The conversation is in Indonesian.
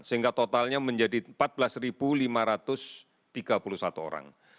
sehingga totalnya menjadi empat belas lima ratus tiga puluh satu orang